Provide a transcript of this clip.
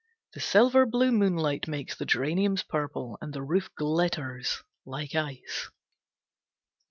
The silver blue moonlight makes the geraniums purple, and the roof glitters like ice.